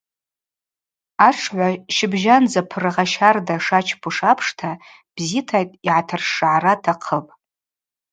Атшгӏва щыбжьандза пыргъа щардата йшачпуш апшта бзита йгӏатыршгӏара атахъыпӏ.